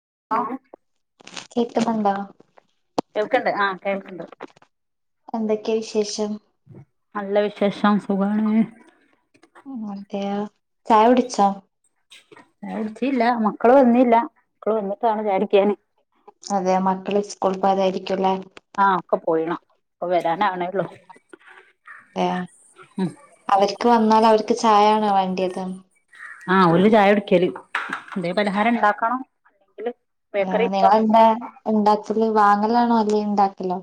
[unintelligible] Cake ന്നുണ്ടോ കേൾക്കണ്ട് ആഹ് കേൾക്ണ്ട് എന്തൊക്കെ വിശേഷം നല്ല വിശേഷം സുഖമാണ് ആ അതെ യൊ ചായ കുടിച്ചോ ചായുട്ച്ചീല്ല മക്കള് വന്നില്ല മക്കള് വന്നിട്ടാണം ചായുടിക്കാന് അതെ മക്കള് സ്കൂള് പോയതായിരിക്കുംല്ലേ ആഹ് ഒക്കെ പോയിണ് ഇപ്പ വ രാനാവണേള്ളൂ ഏ അവര് ക്ക് വന്നാൽ അവർക്ക് ചായാണോ വേണ്ടിയത് ആഹ് ഓല് ചായെ കുടിക്കല് എന്തേ പലഹാരം ഉണ്ടാക്കണം അല്ലെങ്കില് ആ ബേക്കറി ഇപ്പം നിങ്ങളവിടെ ഉണ്ടാ ല് വാങ്ങലാണോ അല്ലെ ഉണ്ടാക്കലോ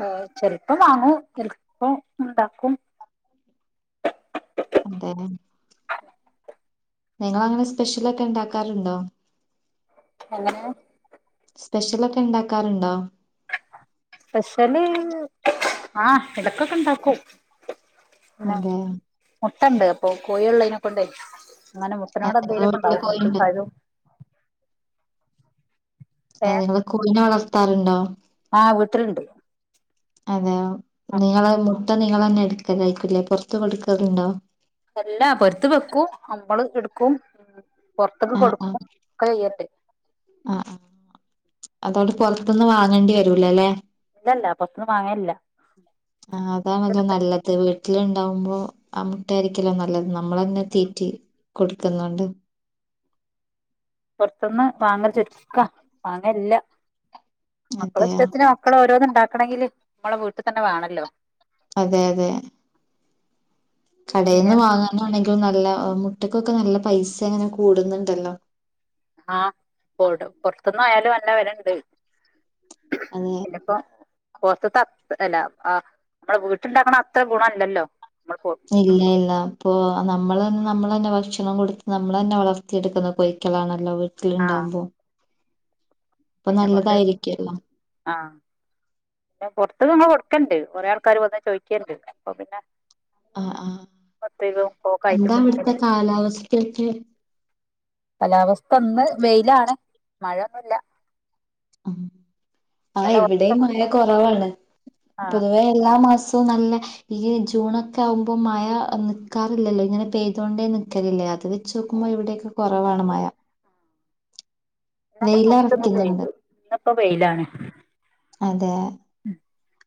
ഏർ ചെലപ്പം വാങ്ങൂ ചിലപ്പം ഉണ്ടാക്കും അതെ [unintelligible] നിങ്ങളങ്ങനെ സ്പെഷ്യലൊക്കെ ഉണ്ടാക്കാറുണ്ടോ എങ്ങനെ സ്പെഷ്യൽ ഒക്കെ ഇണ്ടാക്കാറുണ്ടോ സ്പെഷ്യല് ആഹ് ഇടക്കൊക്കെ ഇണ്ടാക്കൂ അതെ ട്ടണ്ട് അപ്പൊ കോഴി ഉള്ളേനെ കൊണ്ടേ അങ്ങനെ ആ, മുട്ടനോട് നിങ്ങളെ വീട്ടില് എന്തേലേക്കെണ്ടാവും മുട്ടിം കോഴിണ്ടോ പഴും അതെ ഞങ്ങള് കോയിനെ വളർ ത്താറുണ്ടോ ആഹ് വിട്ടിട്ടുണ്ട് അതെ നിളെ ഇട്ട നിങ്ങൾന്നെ എടുക്കത്ായിരിക്കൂില്ലേ പറത്തും കൊടുക്കറുണ്ടോ അല്ല പരുത്ത് വെക്കും നമ്മള് എടുക്കും ഉ പുൊറത്തേക്ക് ആ ആ കൊടുക്കും ഒക്കെ ചെയ്യട്ടെ അതോടെ പുറത്തതൊന്നന്ന് വാങ്ങേണ്ടി വരൂല അല്ലേ ഇല്ലല്ല പൊറത്ത്ന്ന് വാങ്ങലില്ല ആ അതാ നല്ല നല്ലത് വീട്ട വട്ടിലുണ്ടാവുമ്പോ ആ മുട്ട ആായിരിക്കല്ലോ നല്ലത് നമ്മളങ്ങനെ തീറ്റി കൊടുക്കുന്നുണ്ട് പുൊറത്തന്ന് വാങ്ങൽ ചോദിക്കാ വാങ്ങല്ല മക്കള അതെയോ ഇഷ്ടത്തിന് മക്കള ഓരോന്നും ഉണ്ടാക്കണെങ്കില് നമ്മളെ വീട്ടിൽ തന്നെ വേണല്ലോ അതെ അതെ കടെന്ന് പിന്നെ വാങ്ങന്നാണെങ്കി നല്ല മുട്ടക്കൊക്കെ നല്ല പൈസ അങ്ങനെ കൂടുന്നുണ്ടല്ലോ? ആ പോടു പുറത്ത് ന്ന് ആയാലും നല്ല വിലയുണ്ട്. അതെ പിന്നെ ഇപ്പം പുറത്തത് അത്ര അല്ല ആ നമ്മടെ വീട്ടുണ്ടാക്കണ അത്ര ഗുണം അല്ലല്ലോ? ഇല്ല ഇല്ല അപ്പൊ നമ്മളാണ് നമ്മള് തന്നെ ഭക്ഷണം കൊടുത്ത് നമ്മൾ തന്നെ വളർത്തിയെടുക്കുന്ന കോഴിക്കളാണല്ലോ വീട്ടി തിലുണ്ടാവുമ്പോ എന്നെ കൊണ്ട് ആ പിന്നെ പുറത്തു ഞമ്മള് കൊടുക്കണണ്ട്. കുറെേ ആൾക്കാര് വന്ന് ചോദിക്കണ്ട്. അപ്പൊ പിന്നെ ആ ആ എന്താ അവിടുത്തെ കാലാവസ്ഥയൊക്കെ കാലാവസ്ഥ ഇന്ന് വെയിലാണ്. മഴയൊന്നു ഇല്ല. ആ ആ എവിടെയും മഴ കുറവാണ്. ആഹ് പൊതുവേ എല്ലാ മാസ പ്പോ നല്ല ഈ ജൂണൊക്കെ ആകുമ്പോ മഴ നിക്കാറില്ലല്ലോ ഇങ്ങനെ പെയ്തോണ്ടേ നിക്കലില്ലേ അത് വെച്ച് നോക്കുമ്പോ ഇവിടെ ഒക്കെ കുറവാണ് മഴ. ഇന്നലെ കുറച്ചെന്നു വെയിലറക്കുന്നുണ്ട് പെയ്തു. ഇന്നിപ്പോ വെയിലാണ്. അതെ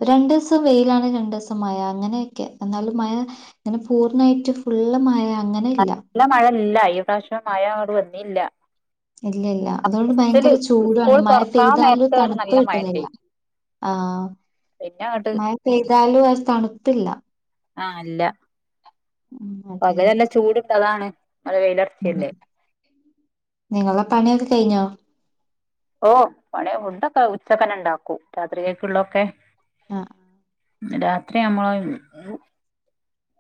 രണ്ടു ദിവസം വെയിലാണ് രണ്ടു ദിവസം മഴ അങ്ങനെയൊക്കെ എന്നാലും മഴ ഇങ്ങനെ പൂർണ്ണമായിട്ട് ഫുള്ള് മഴ അങ്ങനെ ഇല്ല നല്ല മഴ ഇല്ല ഈ പ്രാവശ്യം. മയ അങ്ങട് വന്നില്ല. ഇല്ല ഇല്ല അതുകൊണ്ട് ത്തില് ഭയങ്കര സ്കൂൾ ചൂടാണ്. മഴ തുറക്കാൻ പെയ്താലും നേരത്തെ ഒരു തണുപ്പ് നല്ല കിട്ടുന്നില്ല. മഴണ്ടേനി ആ പിന്നെ അങ്ങട്ട് മഴ പെയ്താലും അത് തണുപ്പില്ല. ഉം അതെ പകല് നല്ലചൂടുണ്ടതാണ്. നല്ല വെയില് അറ്ച്ചയല്ലേ? നിങ്ങൾടെ പണിയൊക്കെ കഴിഞ്ഞോ? ഓഹ് പണി ഫുഡൊക്കെ ഉച്ചക്ക് തന്നെ ഉണ്ടാക്കൂം രാത്രിയേക്കുള്ളതൊക്കെ ആഹ് രാത്രി നമ്മള്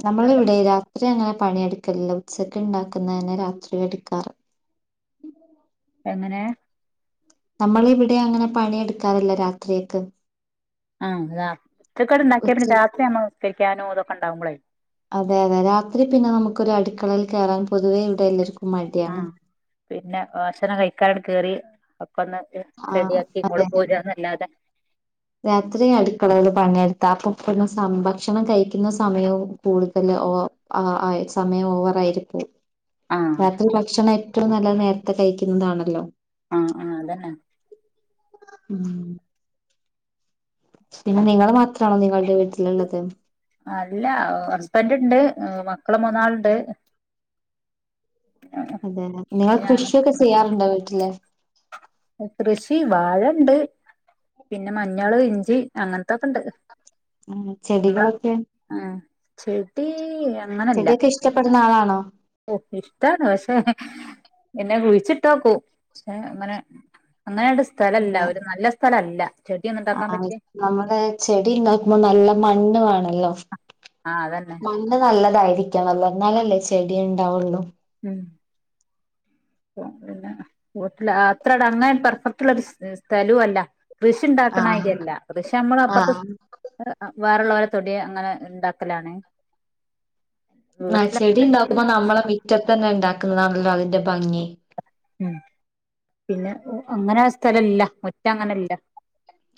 നമ്മളിവിടെ രാത്രി അങ്ങനെ പണിയെടുക്കലില്ല ഉച്ചക്ക് ഇണ്ടാക്കുന്നന്നെ രാത്രി എടുക്കാറ് എങ്ങനെ നമ്മൾ ഇവിടെ അങ്ങനെ പണിയെടുക്കാറില്ല രാത്രിയേക്ക് ആഹ് രാത് ഉച്ചക്ക് ഇണ്ടാക്കിയ പിന്നെ രാത്രി നമ്മ ക്കാനോതൊക്കെണ്ടാമ്പളേ അതെ അതെ രാത്രി പിന്നെ നമുക്കൊരടുക്കളയിൽ കേറാൻ പൊതുവേ ഇവടെല്ലാർക്കും ആഹ് പിന്നെ ഭക്ഷണം കഴിക്കാനാട്ട് കേറി ഒക്കെന്ന് ആ റെഡിയാക്കി ഇങ്ങോട്ട് അതെ പോര്കാന്നല്ലാതെ രാത്രി അടുക്കളയിൽ പണിയെടുത്താ അപ്പൊ പിന്നെ ഭക്ഷണം കഴിക്കുന്ന സമയവും കൂടുതൽ ഓ ആഹ് ആഹ് സമയം ഓവർ ആയിപോവും ആഹ് രാത്രി ഭക്ഷണം ഏറ്റവും നല്ലത് നേരത്തെ കഴിക്കുന്നതാണല്ലോ ആഹ് ആഹ് അതന്നെ ഉം പിന്നെ നിങ്ങൾ മാത്രാണോ നിങ്ങളുടെ വീട്ടിലുള്ളത് അല്ല ഹസ്ബൻ്റ് ഇണ്ട് മ മക്കൾ മൂന്നാള് ഉണ്ട്. അതല്ലേ നിങ്ങള് ഞാനും കൃഷിയൊക്കെ ചെയ്യാറുണ്ടോ വീട്ടില്? കൃഷി വാഴയുണ്ട് പിന്നെ മഞ്ഞള് ഇഞ്ചി അങ്ങനത്തൊക്കെ ഇണ്ട്. ഉം നമ്മള് ചെടികളൊക്കെ ഉം ചെടി അങ്ങനെയല്ല ചെടിയൊക്കെ ഇഷ്ടപ്പെടുന്ന ആളാണോ? ഓ ഇഷ്ടാണ് പക്ഷേ എന്നെ കുഴി ച്ചിട്ടാ പോവും പക്ഷേ അങ്ങനെ. അങ്ങനാണ്ട് സ്ഥലയില്ല ഒരു നല്ല സ്ഥ സ്ഥല അല്ല. ആഹ് ആഹ് നമ്മടെ ചെടിയുണ്ടാക്കുമ്പോ നല്ല. മണ്ണ് വേണല്ലോ. ആഹ് അതന്നെ മണ്ണ് നല്ലതായി നിക്കണല്ലോ എന്നാലല്ലേ ചെടിയുണ്ടാവുള്ളൂ. അപ്പൊ പിന്നെ [unintelligible] അത്ര നന്നായി പെർഫെക്റ്റുള്ള സ്ഥലവുമല്ല. കൃഷി ആഹ് ഉണ്ടാക്കണമാതിരി അല്ല കൃഷി നമ്മള് അപ്പുറത്ത്. ആഹ് [unintelligible] വേറെള്ളോലെ തൊടി അങ്ങനെ ണ്ടാക്കലാണ് ആ ചെടിണ്ടാക്കുമ്പോ നമ്മളെ മിറ്റതെന്നെണ്ടാക്ക എന്നാണല്ലോ അതിന്റെ ഭംഗി ഉം പിന്നെ അങ്ങനെ സ്ഥലല്ല മുറ്റം അങ്ങനെല്ല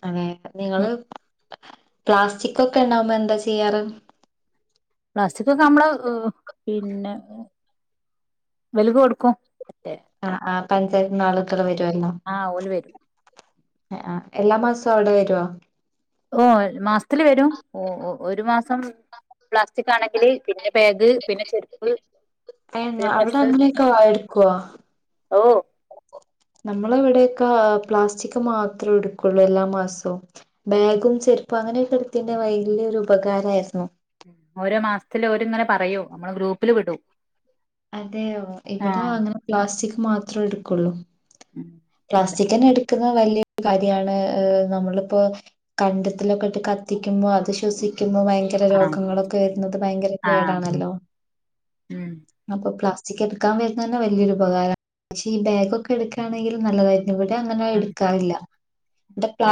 അതെ നിങ്ങള് പ്ലാസ്റ്റികൊക്കെ ണ്ടാവുമ്പോ എന്ത ന്താ ചെയ്യാറ് പ്ലാസ്റ്റികൊക്കെ നമ്മള് പിന്നെ വലിവ് കൊടുക്കും മറ്റേ ആ ആ പഞ്ചായത്ത്ന്ന് ആള് ഇത്ര വരുവല്ലോ ആഹ് ഓല് വരും എ ആ എല്ലാ മാസവും അവടെ വരോ ഓ മാസതില് വരും ഓ ഒരു മാസ ആ പ്ല ക്കണെങ്കിൽ പിന്നെ ബാഗ് പിന്നെ ചെരുപ്പ് പിന്നെ ഏഹ് അവിടെ ഡ്രസ്സ് അങ്ങനെയൊക്കെ എടുക്കുവോ? ഓ നമ്മള ഇവിടെക്കെ പ്ലാസ്റ്റിക് മാത്രേ എടുക്കുള്ളൂ എല്ലാ മാസവും ബാഗും ചെരുപ്പും അങ്ങനെയൊക്കെ എടുത്തിന്റെ വലിയൊരു ഉപകാരമായിരുന്നു ഓരോ മാസത്തില് ഓരിങ്ങനെ പറയോ നമ്മള് ഗ്രൂപ്പില് വിടൂ അതെയോ ഇവിടെ അങ്ങനെ പ്ലാസ്റ്റിക് മ ത്ര എടുക്കുള്ളൂ ഉം ഇല്ല പ്ലാസ്റ്റിക് തന്നെ എടു ക്ക്ന്ന വലിയൊരു കാര്യാണ് നമ്മളിപ്പോ കണ്ടത്തിലൊക്കെ ഇട്ട് കത്തിക്കുമ്പോൾ അത് ശ്വസിക് ക്കുമ്പോ ഭയങ്കര ആഹ് രോഗങ്ങളൊക്കെ വരുന്നത് ഭയങ്കര ആഹ് കേടാണല്ലോ ഉം ഇപ്പോ പ്ലാസ്റ്റിക് എടുക്കാൻ വരുന്ന തന്നെ വലിയൊരുപകാരമാണ് പക്ഷെ ഈ ബാഗൊക്കെ എടുക്കയാണെങ്കിൽ നല്ലതായി ഇവിടെ അങ്ങനെ ഉം എടുക്കാറില്ല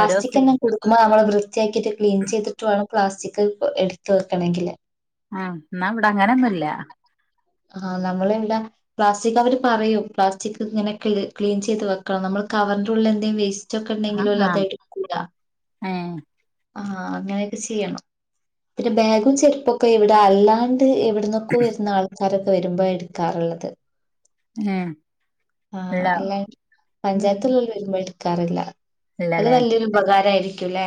ഓരോ സി തന്നെ കൊടുക്കുമ്പോ നമ്മൾ റ്റാക്കിറ്റ് ക്ലീൻ ചെയ്തിട്ട് വേണം പ്ലാസ്റ്റിക് എടുത്ത വെക്കണെങ്കില് ആ എന്നാ ഇവിടെ അങ്ങനെന്നുല്ല ആഹ് നമ്മള എല്ല പ്ലാസ്റ്റിക് അവര് പറയൂ പ്ലാസ്റ്റിക് ഇങ്ങനെ ക്ലീൻ ചെയ്ത് വെക്കണം നമ്മൾ കവറിന്റെ ഉള്ളിൽ എന്തെ വേസ്റ്റ് റ്റൊക്കെ ആഹ് ഉണ്ടെങ്കിലും ഓല് അത് ആഹ് എടുക്കൂല ഏഹ് ആ അങ്ങനെയൊക്കെ ചെയ്യണം പിന്നെ ബാഗും ചെപ്പൊക്കെ ഇവിടെ അല്ലാ എവിടെന്നോക്കും വരുന്ന ആൾ ക്കാരൊക്കെ വരുമ്പോ എടുക്കാറുള്ളത് ഏഹ് ആ ഇല്ല അല്ലാ പഞ്ചായത്തില്ല വരുമ്പോഴ കറല്ല അത് വലിയൊരു ഉപകാരമായിരി ക്കുല്ലേ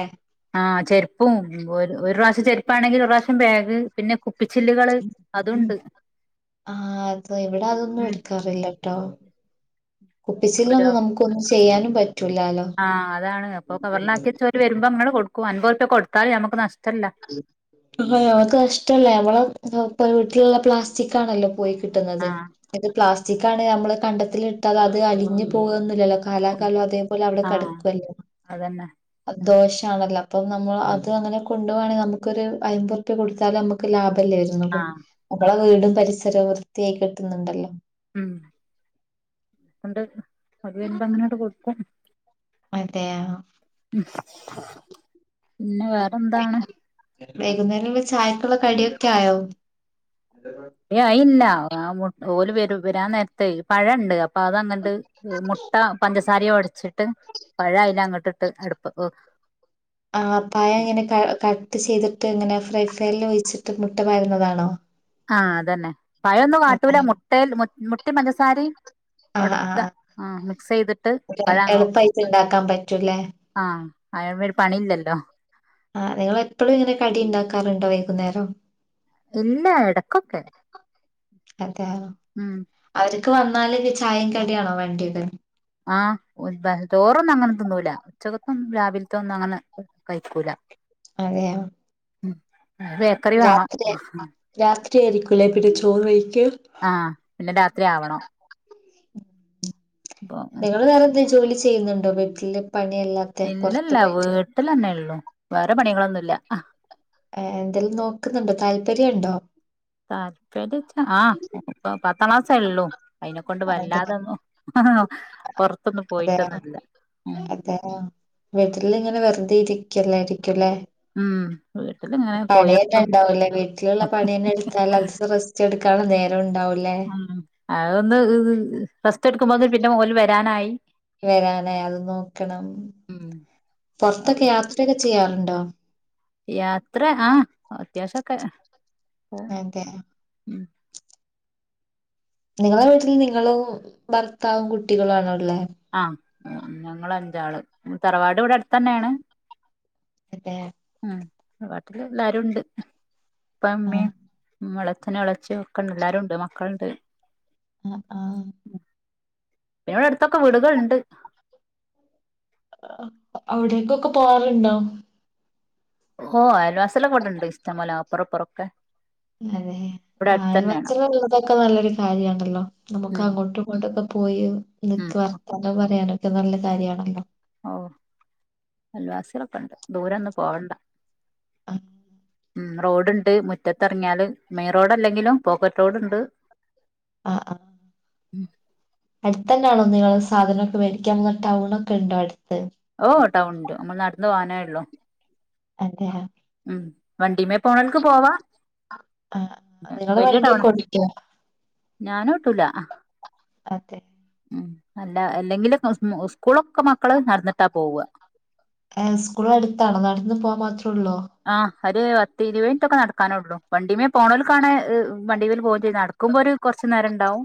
ആ ചെരുപ്പും ഒരു പ്രാവശ്യ ചെരുപ്പാണെങ്കിൽ ഒരു പ്രാവശ്യം ബാഗ് പിന്നെ കുപ്പിച്ചില്ലുകള് അതുണ്ട് ആ അത ഇവിടെ അതൊന്നും ഉം എടുക്കാറില്ല ട്ടോ ഓരോ കുപ്പിച്ചില്ലോന്നും നമുക്ക് ഒന്നും ചെയ്യാനും പറ്റൂലാലോ ആഹ് അതാണ് അപ്പ കവറലാക്കിയ ചോര് വരുമ്പോ അങ്ങടെ കൊടുക്കും അൻപോ കൊടുത്താൽ നമുക്ക് നഷ് അ അവക്ക് കഷ്ടല്ലേ അവള വീട്ടിലുള്ള പ്ലാസ്റ്റിക് ആണല്ലോ പോയി കിട്ടുന്നത് ആഹ് ഇത് പ്ലാസ് ഉച്ചിക്കാണ് നമ്മള് കണ്ടത്തിലിട്ട അത് അലിഞ്ഞ് പോകൊന്നുല്ലല്ലോ കാലാകാലം അതേപോലെ അവിടെ ആഹ് കിടക്കുവല്ലേ അതന്നെ ദോഷമാണല്ലോ അപ്പം നമ്മൾ അത് അങ്ങനെ കൊണ്ടണ നമക്ക് ഒരു അയിമ്പത് റുപ്പിക കൊടുത്താലും നമുക്ക് ലാഭ ആഹ് [unintelligible] പരിസരം വൃത്തിയായി കിട്ടുന്നുണ്ടല്ലോ ഉം എണ്ട് അത് വരുമ്പ അങ്ങനോട്ട് കൊടുക്ക അതയാ ഉ പിന്നെ വേറെന്താണ് വൈകുന്നേ ചായക്കുള്ള കടിയൊക്കെ ആയോ യ ഇല്ല ആ ഓല് വര വരാൻ നേരത്തെേ പഴുണ്ട് അതങ്ങട്ട് മുട്ട പഞ്ചസാരയോ അടിച്ചിട്ട് പഴ അല്ല അങ്ങട്ട് അടുപ്പ് ആ പായം എങ്ങനെ ക ട്ട് ചെയ്തിട്ട് എങ്ങനെ ഫ്രൈ ഫാനിൽ ഒഴിച്ചിട്ട് മുട്ട വരുന്നതാണോ ആഹ അതന്നെ പഴമൊന്നും കാട്ടൂല മുട്ടൽ മുട്ടി പഞ്ചസാരയും ആ ആ ഒടത്ത ആ മിക്സ് ചെയ്തിട്ട് ഒരു പഴങ്ങ എളുപ്പായിട്ട് ഇണ്ടാക്കാൻ പറ്റൂല്ലേ? ആഹ അയാേ ഒരു പണിയില്ലല്ലോ ആ നിങ്ങ എപ്പോഴും ഇങ്ങനെ കടി ഉണ്ടാക്കാറുണ്ടോ വൈകുന്നേരം എല്ലാ ഇടക്കൊക്കെ ഉം ക്ക് വന്നല്ത് ചായയും കടിയാണോ വേണ്ടിയത് ആഹ തോറന്ന അങ്ങനെ ന്നൂല്ല ചെലപ്പം രാവിലത്തെ ഒന്നും അങ്ങനെ കഴിക്കൂല അതെയാ ഉം ബേക്കറി വേണം. ഇറ്റ ആയിരിക്കില്ലേ പിന്നെ ചോറ്. ആഹ് പിന്നെ രാത്രി ആവണോ. നിങ്ങള് വേറെയെന്തു ജോലി ചെയ്യുന്നുണ്ടോ വീട്ടില്? പണിയല്ലാത്തെ ഇല്ല പുറത്ത് ഇല്ല പോയിട്ട്? വീട്ടിലെന്നെയെള്ളു വേറെ പണികളൊന്നു ഇല്ല ഏഹ് എന്തെലും നോക്ക്ന്ന്ണ്ടോ? താല്പര്യം ഉണ്ടോ? താൽപ്പെര്യം ച്ചാ ആഹ് അത് ഇപ്പ പത്താം ക്ലാ സെ ഒള്ളു അതെ പൊറത്തൊന്നും അതെ പോയിട്ടൊന്നുല്ല ഉം അതെ വീട്ടിൽ ഇങ്ങനെ വെറ്തെ ഇര് ക്കെല്ലായിരിക്കും ലെ ഉം വീട്ടിലിങ്ങനെ പണിയെന്നെ കോഴികൾതും ഇണ്ടാവും ലെ വീട്ടിൽ ഇള്ള പണിയെന്നെ ഇട്ത്താൽ [unintelligible] റെസ്റ്റ് ഇട് ക്കാള്ള നേരും ഇണ്ടാവു ഉം അതൊന്ന് ഇത് റെസ് ത്തെട്ക്കുമ്പോത്തിന് പിന്നെ ഓൽ വെരാനായി വെരാനായി അത് നോക്കണം ഉം പൊർത്തൊക്കെ യാത്രയൊക്കെ ചെയ്യാറുണ്ടോ? യാത്ര ആഹ് അത്യാവ്ശൊക്കെ അഹ് അതെ ഉം നിങ്ങെളെ വീട്ടിൽ നിങ്ങെളും ഭർത്താവും കുട്ടികെളും ആണോ ഉള്ളെ? ആഹ് ഞങ്ങഅഞ്ചാളാ തറവാട് ഇവടെ അട്ത്തന്നെണ് അതെ തറവാട്ടില് എല്ലാരുണ്ട് ഉപ്പ ഉമ്മീം ആഹ് മ്മള് എളച്ഛനും എളേച്ചിഒക്കെണ്ട് എല്ലാരുണ്ട് മക്കള്ണ്ട് അഹ് ആഹ് പിന്നവ്ടെട്ത്തൊക്കെ വീടുകള്ണ്ട് അവിടേക്കൊക്കെ പോവൽണ്ടോ ഓഹ് അയൽവാസി സലൊക്കെ ഇവടണ്ട് ഇഷ്ടംപോല പ്പൊറംഇപ്പറൊക്കെ അതെ ഒക്കെ ആയൽവാസികളുള്ളതൊക്കെ നല്ലൊരു കാര്യാണല്ലോ നമുക്ക് ഉം അങ്ങോട്ടും ഇങ്ങോട്ടൊക്കെ പോയീ ഉം ഇൻക്ക് വർത്താനം പറയാനും ത് നല്ല കാര്യാണല്ലോ ഓ അൽവാസികളൊക്കെ ഉണ്ട് ദൂരൊന്ന പോവണ്ട ആ ഉ റോഡ് ഉണ്ട് മുറ്റത്ത്റങ്ങിയാല് മെയിൻ റോഡ് അല്ലെങ്കിലും പോക്കറ്റ് റോഡുണ്ട് ആ ആ മ് അടുത്ത തന്നൊണോ നിങ്ങള് സാധനമൊക്കെ മേടിക്കാൻുന്ന ടൗൺ ഒക്കെ ഉണ്ടോ അടുത്ത് ഓ ടൗണിണ്ട് നമ്മൾ നടന്ന് പോവാനേള്ളു അതെഹ വണ്ടിമേ പോണൽക്ക് പോവാ ആ നിങ്ങൾ വണ്ടിയൊക്കെ ഒടിക്കോ ഞാനൊട്ടൂല അതെ ആ അല്ല അല്ലെങ്കില് സ്കൂളൊക്കെ മക്കള് നടന്നിട്ടാ പോവ്വാ ഏ സ്കൂൾ അടുത്താണോ നടന്ന് പോവാാൻ മാത്രം ത്രോള്ളു ഒര് പത്ത് ഇരുപത് മിനിറ്റൊക്കെ നടക്കാനേ ഒള്ളു വണ്ടീമേ പോണേൽ കാണാൻ വണ്ടിമേല് പോകേ ചെയ്യും നടുമ്പോ ഒരു കൊറച്ച് നേരണ്ടാവും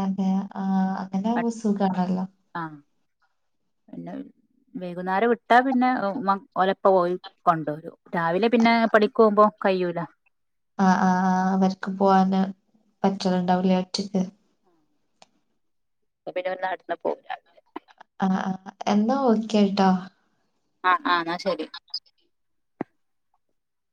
അതെ ആ അങ്ങനെ ആകുമ്പ സുഖണല്ലോ ആഹ് പിന്നെ വൈകുന്നേരം വിട്ടാ പിന്നെ ഉം മക് ഓലപ്പ പോയി കൊണ്ട്വരും രാവിലെ പിന്നെ പണിക്കൊമ്പോ കയൂല ആഹ് പറ്റല്ണ്ടാവില്ല ഒറ്റക്ക് ഇവിടെ പിന്നെ നടന്ന പോവാ രാവിലെ ആ എന്നാ ഓക്കേ ട്ടോ ആ ആ എന്നാ ശരി